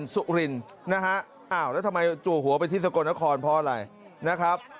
สุรินนะฮะอ้าวแล้วทำไมจู่หัวไปที่สกลนครเพราะอะไรนะครับ